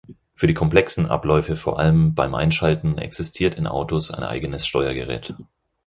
Für die komplexen Abläufe vor allem beim Einschalten existiert in Autos ein eigenes Steuergerät.